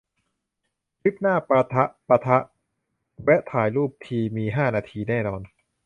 ทริปหน้า ปะทะ ปะทะ แวะถ่ายรูปทีมีห้านาทีแน่นอน